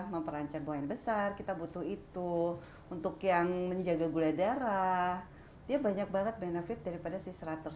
sementara untuk bubur biasanya dicampur dengan daun kelor